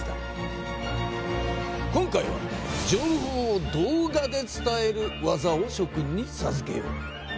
今回は情報を動画で伝える技をしょ君にさずけよう。